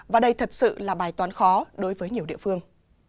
và đây thật sự là bài toán khó đối với nhiều địa phương